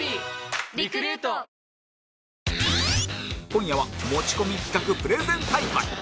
今夜は持ち込み企画プレゼン大会